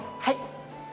はい。